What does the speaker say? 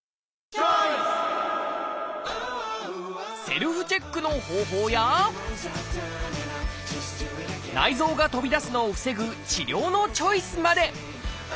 セルフチェックの方法や内臓が飛び出すのを防ぐ治療のチョイスまで。